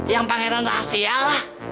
yang pangeran rahasia lah